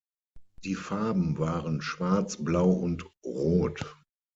Die Farben waren schwarz, blau und rot.